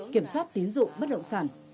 kiểm soát tín dụng bất động sản